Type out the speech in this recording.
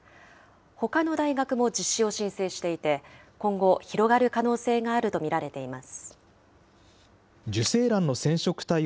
ほかの大学も実施を申請していて、今後、広がる可能性があると見られています。